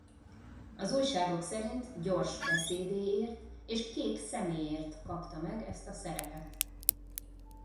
Az újságok szerint gyors beszédéért és kék szeméért kapta meg ezt a szerepet.